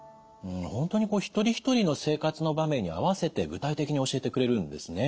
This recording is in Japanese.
本当に一人一人の生活の場面に合わせて具体的に教えてくれるんですね。